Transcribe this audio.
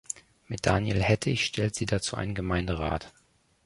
Mit Daniel Hettich stellt sie dazu einen Gemeinderat.